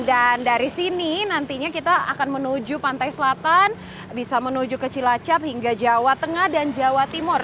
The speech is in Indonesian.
dan dari sini nantinya kita akan menuju pantai selatan bisa menuju ke cilacap hingga jawa tengah dan jawa timur